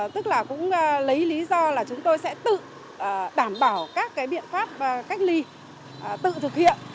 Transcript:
tức là cũng lấy lý do là chúng tôi sẽ tự đảm bảo các biện pháp cách ly tự thực hiện